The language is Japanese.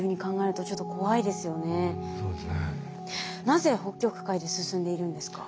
なぜ北極海で進んでいるんですか？